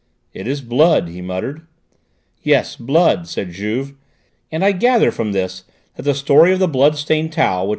"It is blood," he muttered. "Yes, blood," said Juve, "and I gather from this that the story of the blood stained towel which M.